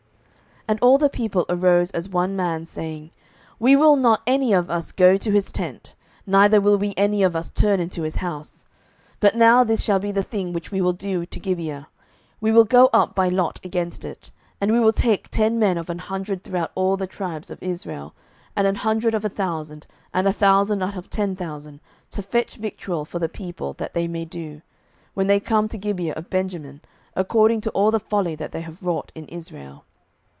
07:020:008 And all the people arose as one man, saying, We will not any of us go to his tent, neither will we any of us turn into his house. 07:020:009 But now this shall be the thing which we will do to Gibeah; we will go up by lot against it; 07:020:010 And we will take ten men of an hundred throughout all the tribes of Israel, and an hundred of a thousand, and a thousand out of ten thousand, to fetch victual for the people, that they may do, when they come to Gibeah of Benjamin, according to all the folly that they have wrought in Israel.